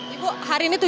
ibu hari ini tujuh